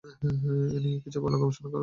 এই নিয়ে কিছু ভালো গবেষণা হওয়া দরকার।